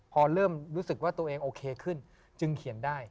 พอเริ่มรู้สึกว่าตัวเองโอเคขึ้นจึงเขียนได้